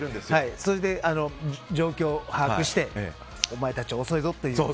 それで、状況を把握してお前たち、遅いぞと。